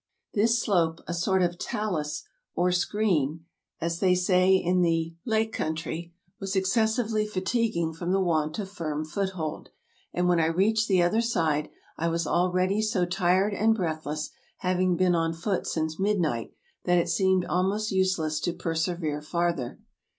This slope, a sort of talus or " screen," as they say in the 278 TRAVELERS AND EXPLORERS Lake country, was excessively fatiguing from the want of firm foothold ; and when I reached the other side, I was already so tired and breathless, having been on foot since midnight, that it seemed almost useless to persevere farther.